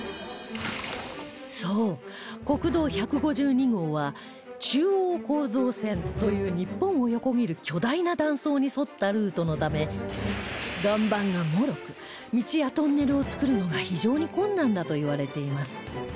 そう国道１５２号は中央構造線という日本を横切る巨大な断層に沿ったルートのため岩盤が脆く道やトンネルを造るのが非常に困難だといわれています